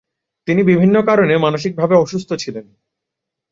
তিনি বিভিন্ন কারণে মানসিকভাবে অসুস্থ ছিলেন।